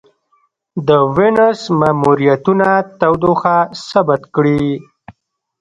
د وینوس ماموریتونه تودوخه ثبت کړې.